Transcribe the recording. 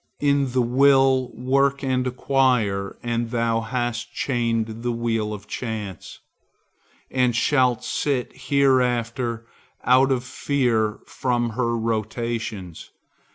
In the Will work and acquire, and thou hast chained the wheel of Chance, and shalt sit hereafter out of fear from her rotations.